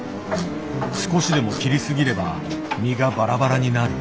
少しでも切りすぎれば身がバラバラになる。